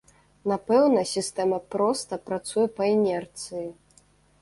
Напэўна, сістэма проста працуе па інерцыі.